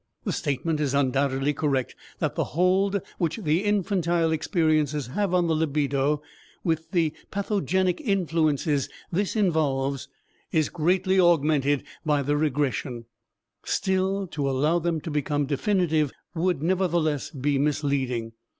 The statement is undoubtedly correct that the hold which the infantile experiences have on the libido with the pathogenic influences this involves is greatly augmented by the regression; still, to allow them to become definitive would nevertheless be misleading.